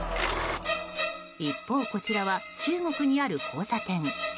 一方、こちらは中国にある交差点。